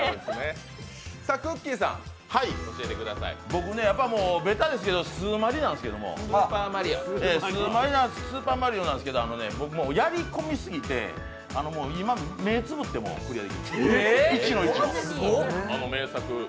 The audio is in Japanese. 僕ね、やっぱベタなんですけど、スーマリなんですけどスーパーマリオなんですけど、僕、やりこみ過ぎて今、目つぶってもクリアできます。